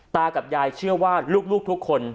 ตากับยายเชื่อว่าลูกทุกคน